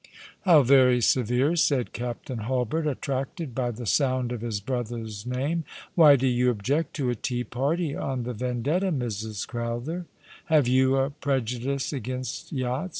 " How very severe !" said Captain Hulbert, attracted by the sound of his brother's name. " Why do you object to a tea party on the Vendetta, Mrs. Crowther? Have you a prejudice against yachts